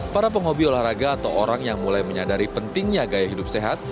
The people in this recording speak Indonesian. para penghobi olahraga atau orang yang mulai menyadari pentingnya gaya hidup sehat